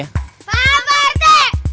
paham pak rt